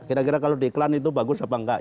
kira kira kalau diiklan itu bagus apa enggak